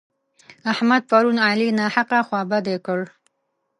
احمد پرون علي ناحقه خوابدی کړ.